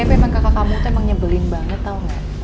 itu emang kakak kamu tuh emang nyebelin banget tau gak